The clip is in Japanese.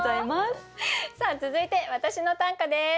さあ続いて私の短歌です。